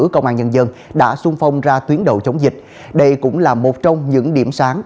công an nhân dân đã xuân phong ra tuyến đầu chống dịch đây cũng là một trong những điểm sáng